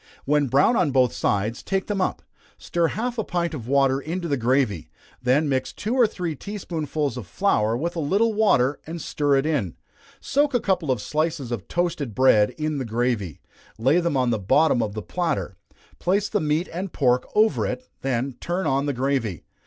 When brown on both sides, take them up stir half a pint of water into the gravy, then mix two or three tea spoonsful of flour with a little water, and stir it in soak a couple of slices of toasted bread in the gravy, lay them on the bottom of the platter, place the meat and pork over it, then turn on the gravy.